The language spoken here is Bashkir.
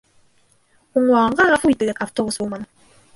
Һуңлағанға ғәфү итегеҙ, автобус булманы